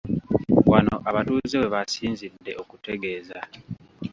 Wano abatuuze we basinzidde okutegeeza.